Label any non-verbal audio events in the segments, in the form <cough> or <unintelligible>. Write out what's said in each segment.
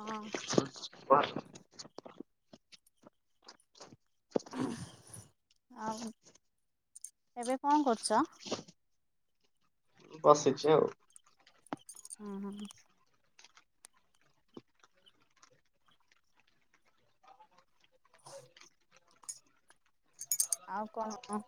ହଁ। ଆଉ। ଏବେ କଣ କରୁଛ? ବସିଛି ଆଉ। ହୁଁ ହୁଁ। ଆଉ କଣ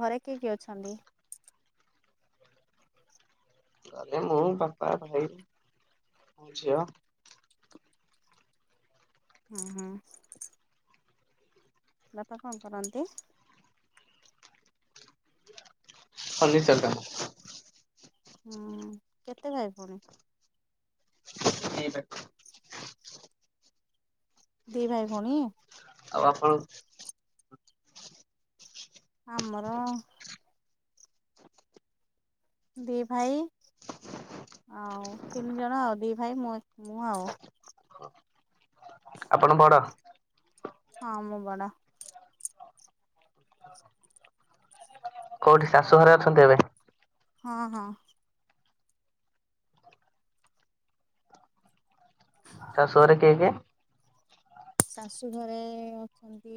ଘରେ କିଏ କିଏ ଅଛନ୍ତି? ଘରେ ମୁଁ ବାପା ଭାଇ ଆଉ ଝିଅ। ହୁଁ ହୁଁ। ବାପା କଣ କରନ୍ତି? ଫନିଚର କାମ। ହୁଁ କେତେ ଭାଇ ପୁଣି? ଦି ଭାଇ ଭଉଣୀ? ଆଉ ଆପଣ? ଆମର ଦି ଭାଇ ଆଉ ତିନି ଜଣ ଆଉ ଦି ଭାଇ ମୁ ମୁଁ ଆଉ ଆପଣ ବଡ? ହଁ ମୁଁ ବଡ଼। କୋଉଠି ଶାଶୁ ଘରେ ଅଛନ୍ତି ଏବେ? ହଁ ହଁ। ଶାଶୂଘରେ କିଏ କିଏ? ଶାଶୁ ଘରେ ଅଛନ୍ତି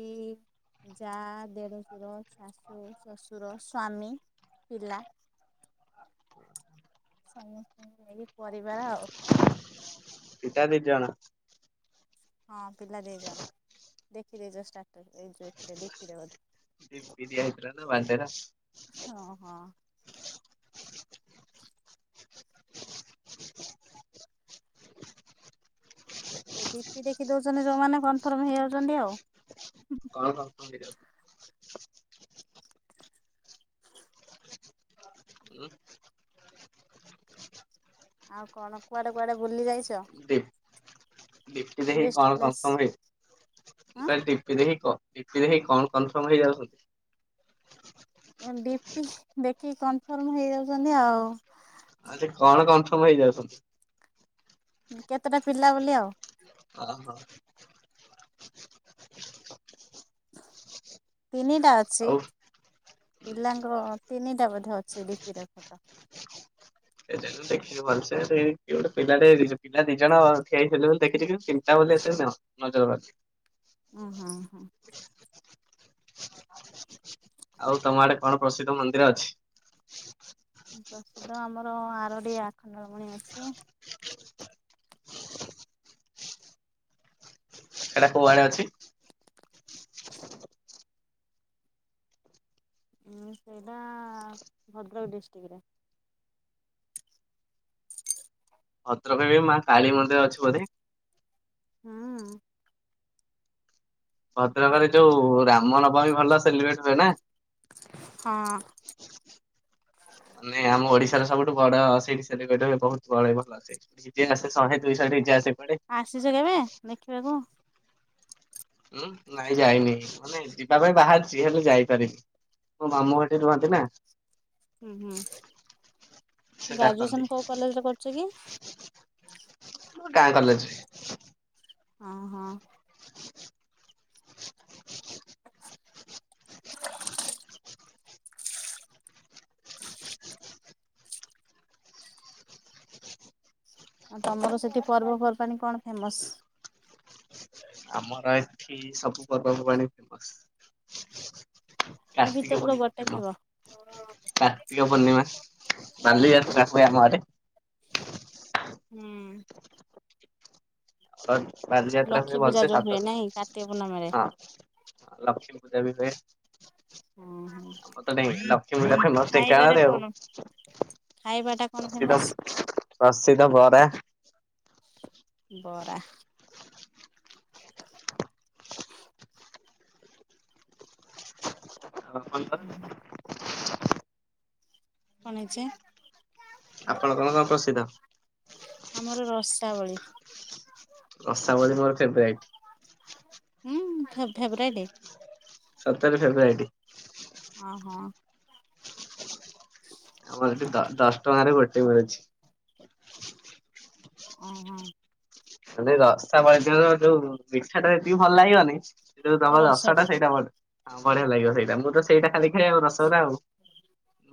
ଯା ଦେଢଶୁର ଶାଶୁ ଶ୍ୱଶୁର ସ୍ଵାମୀ ପିଲା। ହ ସମସ୍ତଙ୍କୁ ନେଇ ପରିବାର ଆଉ <unintelligible> ହଁ ପିଲା ଦିଜଣ ଦେଖି ଦେଇଛ ସ୍ଟାଟସ ଏଥି ଡିପିରେ ବୋଧେ। <unintelligible> ହଁ ହଁ। ଡିପି ଦେଖି ଦଉଛନ୍ତି ଯୋଉମାନେ କନଫର୍ମ ହେଇଯାଉଛନ୍ତି ଆଉ କଣ କଣ ଆଉ କଣ କୁଆଡେ କୁଆଡେ ବୁଲି ଯାଇଛ? ପି ଦେଖ ଟୁରିଷ୍ଟ କଣ ପ୍ଲେସ୍? ସକ୍ଷମ ହେଇ ହଁ ତାଲେ ଡିପି ଦେଖି କହ <unintelligible> କଣ କନଫର୍ମ ହେଇଯାଉଛନ୍ତି? ଡିପି ଦେଖିକି କନଫର୍ମ ହେଇଯାଉଛନ୍ତି ଆଉ। ଆଜି କଣ କନଫର୍ମ ହେଇଯାଉଛନ୍ତି? ଉଁ, କେତେଟା ପିଲା ବୋଲି ଆଉ। ଓ ହୋ। ତିନିଟା ଅଛି। ଆଉ ପିଲାଙ୍କର ତିନିଟା ବୋଧେ ଅଛି ଡିପିର ଫଟୋ। ସେଟା ମୁଁ ଦେଖିନି ଭଲସେ ସେ କିଏ ଗୋଟେ ପିଲାଟେ ଦିଜ ପିଲା ଦି ଜଣ ଠିଆହେଇଥିଲେ ବୋଲି ଦେଖିଚି। କିନ୍ତୁ ତିନଟା <unintelligible> ନିଅ ନଜର ବାଛି ଅଁ, ହଁ, ହୋ। ଆଉ ତୋମ ଆଡେ କଣ ପ୍ରସିଦ୍ଧ ମନ୍ଦିର ଅଛି? ପ୍ରସିଦ୍ଧ ଆମର ଆରଡି ଆଖଣ୍ଡଳମଣି ଅଛି। ସେଟା କୁଆଡେ ଅଛି? ଉଁ, ସେଇଟା ଭଦ୍ରକ ଡିଷ୍ଟ୍ରିକ୍ଟରେ। ଭଦ୍ରକରେ ମା କାଳୀ ମନ୍ଦିର ଅଛି ବୋଧେ? ହଁ। ଭଦ୍ରକରେ ଯୋଉ ରାମ ନବମୀ ଭଲ ସେଲିବ୍ରେଟ୍ ହୁଏ ନା? ହଁ ନାଇ ଆମ ଓଡିଶ ସେଟା ସବୁଠୁ ବଡ ସେଇଟି ସେଲିବ୍ରେଟ୍ ହୁଏ। ବହୁତ ପଳେଇବ, ଆସେ ଡିଜେ ଆସେ ଶହେ ଦୁଇଶହ ଡିଜେ ଆସେ। କୁଆଡେ? ଆସିଚ କେବେ ଦେଖିବାକୁ? ଉଁ, ନାଇଁ ଯାଇନି। ମାନେ ଯିବା ପାଇଁ ବାହାରିଚି ହେଲେ ଯାଇପାରିନି। ମୋ ମାମୁଁ ସେଠି ରୁହନ୍ତି ନା। ହୁଁ, ହୁଁ। ସେ ଡାକନ୍ତି। ଗ୍ରାଜୁଏସନ୍ କୋଉ କଲେଜ୍ ରେ କରୁଚ କି? ମୋ ଗାଁ କଲେଜ୍। ହଁ, ହଁ। <inaudible> ଆଉ ତୋମର ସେଠି ପର୍ବପର୍ବାଣୀ କଣ ଫେମସ? ଆମର ଏଠି ସବୁ ପର୍ବପବାଣି ଫେମସ। ତା କାର୍ତ୍ତିକ ଭିତରୁ ତ ପୂର୍ଣ୍ଣିମା ଗୋଟେ ଥିବ। ଫେମସ। କାର୍ତ୍ତିକ ପୂର୍ଣ୍ଣିମା, ବାଲିଯାତ୍ରା ହୁଏ ଆମ ଆଡେ। ହୁଁ। <unintelligible> ବାଲିଯାତ୍ରା ହୁଏ ଲକ୍ଷ୍ମୀ ପୂଜା ଭଲସେ, ଯୋଉ ସାତ ହୁଏ ନାଇଁ କାର୍ତ୍ତିକ ପୂର୍ଣ୍ଣମୀରେ। ହଁ ଲକ୍ଷ୍ମୀପୂଜା ବି ହୁଏ। <unintelligible> ମୋଷ୍ଟ ଏ ଖାଇବାରେ ଗାଁରେ ଆଉ। କଣ? ଖାଇବାଟା କଣ ପ୍ରସିଦ ଫେମସ ପ୍ରସିଦ୍ଧ ବରା। ବରା। <inaudible> <unintelligible> କଣ ହେଇଛି? ଆପଣଙ୍କର କଣ ପ୍ରସିଦ୍ଧ? ଆମର ରସାବଳୀ। ରସାବଳୀ ମୋର ଫେବରାଇଟ୍। ଉଁ, ଫେ ଫେବୋରାଇଟ୍। ସତରେ ଫେବୋରାଇଟି। ଅଁ, ହଁ। <inaudible> ଆମର ଏଠି ଦ ଦଶ ଟଙ୍କାରେ ଗୋଟେ ମିଳୁଛି। ଅଁ, ହଁ। ହେଲେ ରସାବଳୀ ଦିନର ଯୋଉ ମିଠା ଟା ଯେତିକି ଭଲ ଲାଗିବନି ସେ ଯୋଉ ତୋମ ରସଟା ସେଇଟା ଭଲ ହଁ ବଢିଆ ଲାଗିବ ସେଇଟା। ମୁଁ ତ ସେଇଟା ଖାଲି ଖାଏ। ଆଉ ରସଗୋଲା ଆଉ।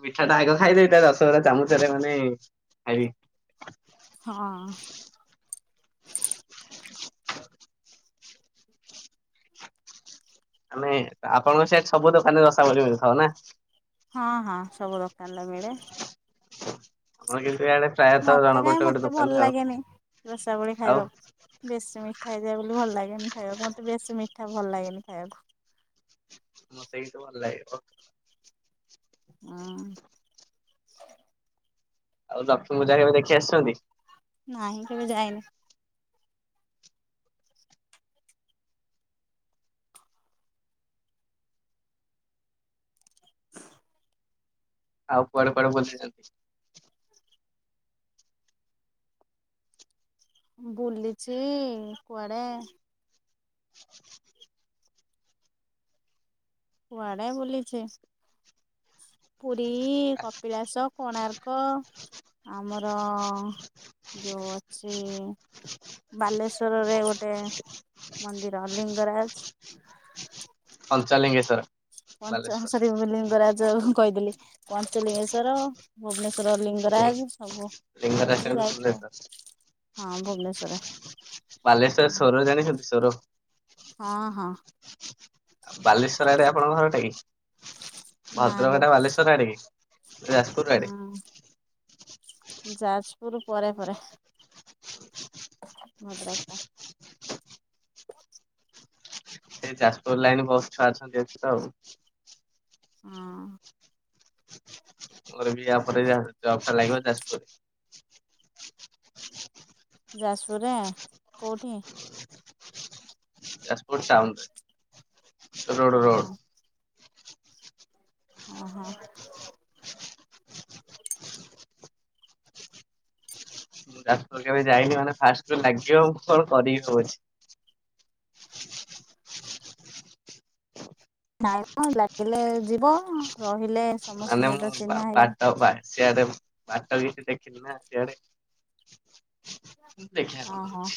ମିଠା ଟା ଆଗ ଖାଇଦେବି ତା ରସଗୁରା ଚାମଚରେ ମାନେ ଖାଇବି। ହଁ। ଆମେ ଆପଣଙ୍କ ସେ ସବୁ ଦୋକାନରେ ରସାବଳି ମିଳଥିବୁ ନା। ହଁ ହଁ ସବୁ ଦୋକାନରେ ମିଳେ। ହଁ ଗିଲ ମତେ କାହିଁ ମତେ ଭଲ ଲାଗେନି ରସାବଳି ଆଉ ଖାଇବାକୁ ବେଶୀ ମିଠା। ମିଠା ହେଇଯାଏ ବୋଲି ଭଲ ଲାଗେନି ଖାଇବାକୁ ମତେ ବେଶୀ ମିଠା ଭଲ ଲାଗେନି ଖାଇବାକୁ। ମତେ କିନ୍ତୁ ଭଲ ଭ ହ। ଆଉ ଲକ୍ଷ୍ମୀପୂଜା କେବେ ଦେଖି ଆସିଛନ୍ତି? ନାହିଁ କେବେ ଯାଇନି। ଆଉ କୁଆଡେ କୁଆଡେ ବୁଲିଛନ୍ତି? ବୁଲିଛି କୁଆଡେ କୁଆଡ଼େ ବୁଲିଛି? ପୁରୀ କପିଳାସ କୋଣାର୍କ ଆମର ଯଉ ଅଛି ବାଲେଶ୍ଵରରେ ଗୋଟେ ମନ୍ଦିର ଲିଙ୍ଗରାଜ ପଞ୍ଚଲୀଙ୍ଗେସ୍ୱର ପଞ୍ଚ ସରି ଲିିଙ୍ଗରାଜ କହିଦେଲି ପଞ୍ଚଲିଙ୍ଗେଶ୍ୱର ଭୁବନେଶ୍ଵର ର ଲିଙ୍ଗରାଜ ସବୁ ଲିଙ୍ଗରାଜଠୁ ଏମିତି ଯାଇଛି ଆଉ ଭୁବନେଶ୍ୱର ହଁ ଭୁବନେଶ୍ଵରରେ ବାଲେଶ୍ଵର ସୋର ଜାଣିଛନ୍ତି ସୋର? ହଁ ହଁ। ବାଲେଶ୍ୱର ଆଡ଼େ ଆପଣଙ୍କ ଘର ଟା କି ନା ନା ଭଦ୍ରକ ଟା ବାଲେଶ୍ଵର ଆଡ଼େ କି? ଯାଜପୁର ଆଡେ ହୁଁ ଯାଜପୁର ପରେ ପରେ ଭଦ୍ରକଟା। ସେ ଯାଜପୁର ଲାଇନି ବହୁତ ଛୁଆ ଅଛନ୍ତି ଏ ତ ଆଉ ହଁ। ମୋର ବି ଆ ପରେ ଜବ୍ ଟା ଲାଗିବ ଯାଜପୁର। ଯାଜପୁରରା କୋଉଠି? ଯାଜପୁର ଟାଉନ୍ ରୋଡ଼ ରୋଡ଼ ଓହୋ ଓ ହୋ। ଯାଜପୁର କେବେ ଯାଇନି ମାନେ ଫାଷ୍ଟ ଲାଗିବ ମୁଁ କଣ କରି ଭାବୁଚି। ନାଇଁ କଣ ଲାଗିଲେ ଯିବ ରହିଲେ ସମସ୍ତଙ୍କ ମାନେ ମୁଁ ସହିତ ଚିହ୍ନା ହେଇଗଲେ ବାଟ ବା ସେଆଡ଼େ ବାଟ କିଛି ଦେଖିନି ନାଁ ସିଆଡ଼େ ଦେଖିବା କଣ ଓହୋ ହଉଚି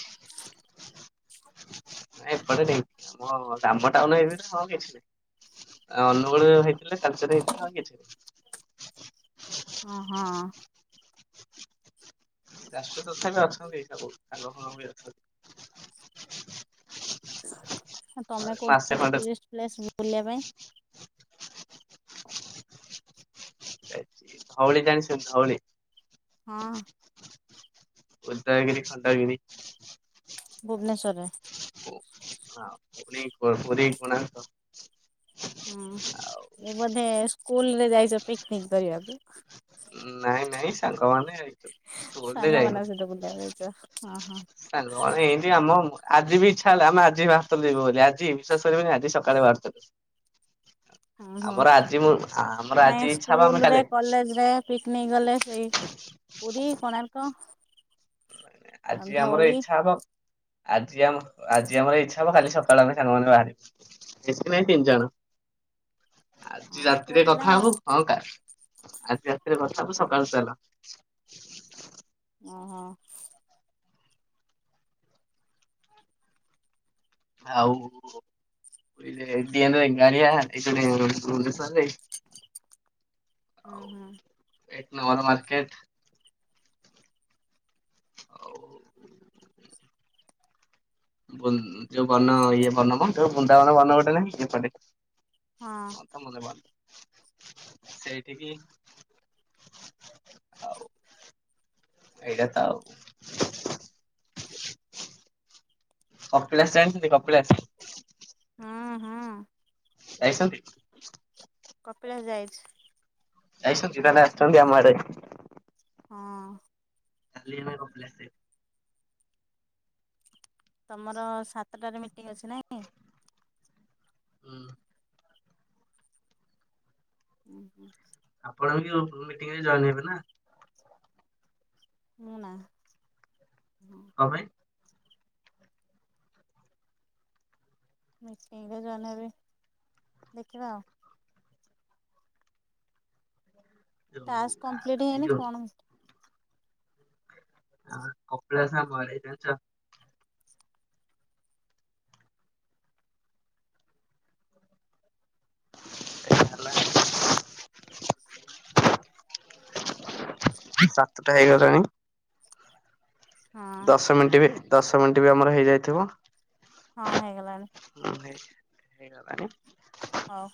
ଏପଟେ ଦେଇଛି ଆମ ଟାଉନ ଏବେ ନା ହଉ କିଛି ନାଇଁ ଆଉ ଅନୁଗୁଳ ହେଇଥିଲେ ତାଲଚର ହେଇଥିଲେ ଆଉ କିଛି ନାହିଁ ହଁ ହଁ। ଯାଜପୁର ତଥାବି ଅଛନ୍ତି ଏଇ ସବୁ ସାଙ୍ଗ ଫାଙ୍ଗ ବି ଅଛନ୍ତି। ତମେ କୋଉଠି ମାସେ ଯାଇଛ ଖଣ୍ଡେ ଟୁରିଷ୍ଟ ପ୍ଲେସ ବୁଲିବା ପାଇଁ? ଧଉଳି ଜାଣିଛନ୍ତି ଧଉଳି? ହଁ ଉଦୟଗିରି ଖଣ୍ଡଗିରି ଭୁବନେଶ୍ୱରରେ ହଁ ପୁଣି ପୁରି କୋଣାର୍କ ଆଉ ହୁଁ ଏ ବୋଧେ ସ୍କୁଲ ରେ ଯାଇଛ ପିକନିକ୍ କରିବାକୁ। ନାଇଁ ନାଇଁ ସାଙ୍ଗମାନେ ସ୍କୁଲରେ ସାଙ୍ଗ ମାନଙ୍କ ସହିଁତ ବୁଲିବାକୁ ଯାଇଚ ଅ ହଁ। ସାଙ୍ଗ ମାନେ ଏମିତି ଆମ ଆଜି ବି ଇଚ୍ଛା ହେଲା ଆମେ ଆଜି ବି ବାହରିଥିଲୁ ଯିବୁ ବୋଲି ଆଜି ବିଶ୍ୱାସ କରିବେନି ଆଜି ସକାଳେ ବାହରିଥିଲୁ ହୁଁ <inaudible> ହୁଁ ଆମର ଆଜି ମୁଁ ଆମର ନାଇଁ ଆଜି ଇଛା ହବ ଆମେ ସ୍କୁଲ ରେ କାଲି କଲେଜ ରେ ପିକନିକ ଗଲେ ସେଇ ପୁରୀ କୋଣାର୍କ ଆଜି ଆମର ଧଉଳି ଇଛା ହବ ଆଜି ଆମ ଆଜି ଆମର ଇଛା ହବ ଖାଲି ସକାଳୁ ଆମେ ସାଙ୍ଗମାନେ ବାହାରିବୁ ଆଜି ହଁ ପୁଅ ରାତିରେ ପିଲା କଥା ଆଉ ହବୁ ହଁ କା ଆଜି ରାତିରେ ସବୁ ସକାଳୁ ଚାଲ। ଓହୋ। ଆଉ ଏ ଦିଏନେ ବେଙ୍ଗାଳିଆ ଏସବୁ <unintelligible> ହୁଁ ଆଉ ହୁଁ। ଏକ ନମ୍ବର ମାର୍କେଟ ଆଉ ଯୋଉ ବନ ଇଏ ବନ କଣ ଯୋଉ ବୃନ୍ଦାବନ ବନ ଗୋଟେ ନାହିଁ ଏପଟେ ହଁ <unintelligible> ସେଇଠିକି ଆଉ ଏଇଟା ତ ଆଉ କପିଳାସ ଜାଣିଥିଲେ କପିଳାସ ହୁଁ ହୁଁ ଯାଇଛନ୍ତି କପିଳାସ ଯାଇଚି। ଯାଇଛନ୍ତି ତାହାଲେ ଆସିଛନ୍ତି ଆମଆଡ଼େ ହଁ। କାଲି ଆମେ କପିଳାସ ଯାଇଥିଲୁ। ତମର ସାତଟାରେ ମିଟିଙ୍ଗି ପଅଛି ନାଇଁ। ହୁଁ। ହୁଁ ହୁଁ। ଆପଣ ବି ମିଟିଙ୍ଗ ରେ ଜଏନ ହେବେ ନା। ମୁଁ ନା। ହଁ। କ ପାଇଁ? ମିଟିଙ୍ଗ ରେ ଜଏନ ହେବି ଦେଖିବା ଆଉ। ଯୋଉ ଟାସ୍କ କମ୍ପ୍ଲିଟ ଏଇ ହେଇନି ଯୋଉ କଣ ହଁ କପିଳାସ ଆମ ଆଡ଼େ ଜାଣିଚ? ଏଟା ହେଲା। ସାତଟା ହେଇଗଲାଣି। ହଁ ଦଶ ମିନିଟ ବି ଦଶ ମିନିଟ ବି ଆମର ହେଇଯାଇଥିବ। ହଁ ହେଇଗଲାଣି। ହେଇଗଲା। ହଉ।